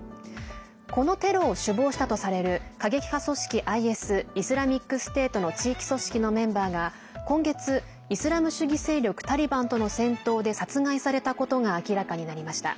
このテロを首謀したとされる過激派組織ＩＳ＝イスラミックステートの地域組織のメンバーが今月イスラム主義勢力タリバンとの戦闘で殺害されたことが明らかになりました。